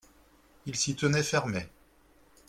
Il s'y tenait fermé.